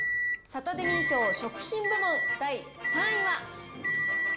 サタデミー賞食品部門、第３位は。